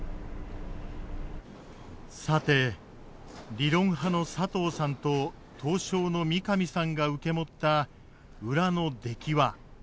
さて理論派の佐藤さんと刀匠の三上さんが受け持った裏の出来は。